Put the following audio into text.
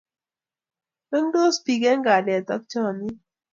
Mengtos bik eng kalyet ak chomyet